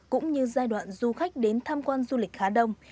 cũng như giai đoạn du khách đến tham quan du lịch khá đông